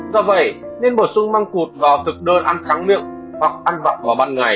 do vậy nên bổ sung măng cụt vào thực đơn ăn tráng miệng hoặc ăn vọng vào ban ngày